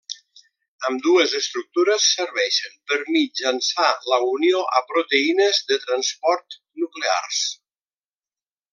Ambdues estructures serveixen per mitjançar la unió a proteïnes de transport nuclears.